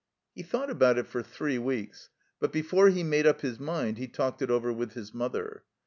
He thought about it for three weeks, but before he made up his mind he talked it over with his mother.